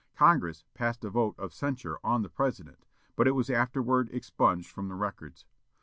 Congress passed a vote of censure on the President, but it was afterward expunged from the records.